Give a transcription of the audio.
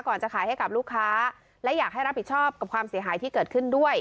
จะขายให้กับลูกค้าและอยากให้รับผิดชอบกับความเสียหายที่เกิดขึ้นด้วย